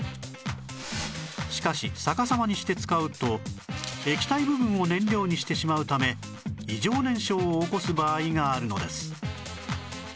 しかし逆さまにして使うと液体部分を燃料にしてしまうため異常燃焼を起こす場合があるのです